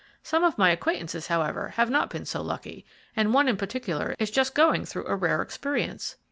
Some of my acquaintances, however, have not been so lucky, and one in particular is just going through a rare experience."